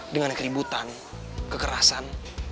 dengan keributan kekerasan